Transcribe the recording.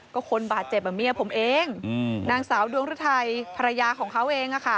ก็คนบาดเจ็บเมียผมเองนางสาวดวงฤทัยภรรยาของเขาเอง